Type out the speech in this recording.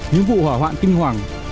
những vụ hỏa hoạn kinh hoàng